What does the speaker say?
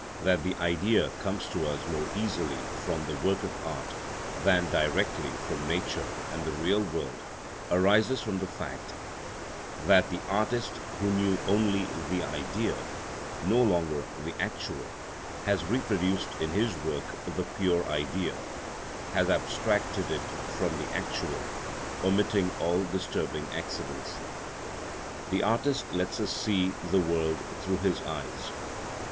That the Idea comes to us more easily from the work of art than directly from nature and the real world, arises from the fact that the artist, who knew only the Idea, no longer the actual, has reproduced in his work the pure Idea, has abstracted it from the actual, omitting all disturbing accidents. The artist lets us see the world through his eyes.